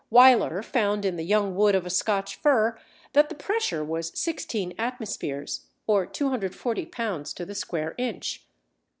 Wieler found in the young wood of a Scotch fir that the pressure was sixteen atmospheres, or 240 lb. to the square inch.